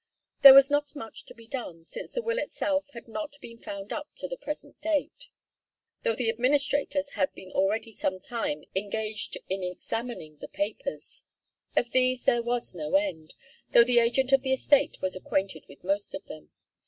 There was not much to be done, since the will itself had not been found up to the present date, though the administrators had been already some time engaged in examining the papers. Of these there was no end, though the agent of the estate was acquainted with most of them.